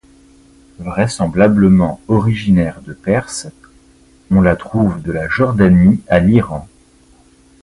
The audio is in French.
Vraisemblablement originaire de Perse, on la trouve de la Jordanie à l'Iran.